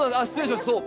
そう！